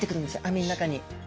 網の中に。